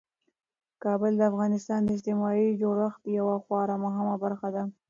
کابل د افغانستان د اجتماعي جوړښت یوه خورا مهمه برخه ده.